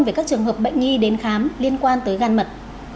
về các trường hợp bệnh nhi đến khám liên quan tới gan mật